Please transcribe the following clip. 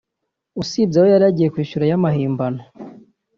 usibye ayo yari yagiye kwishyura y’amahimbano